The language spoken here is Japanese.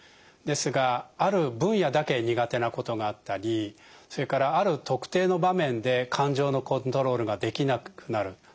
ですがある分野だけ苦手なことがあったりそれからある特定の場面で感情のコントロールができなくなる。